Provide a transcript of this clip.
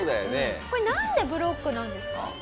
これなんでブロックなんですか？